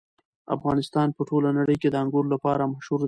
افغانستان په ټوله نړۍ کې د انګور لپاره مشهور دی.